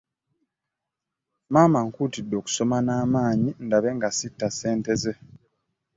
Maama ankuutidde okusoma naamanyi ndabe nga ssitta senteze.